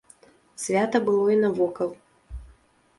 Свята было і навокал.